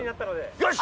よし！